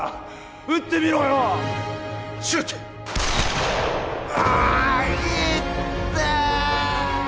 撃ってみろよシュートああいってえ